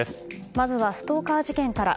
まずはストーカー事件から。